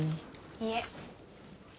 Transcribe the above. いえ。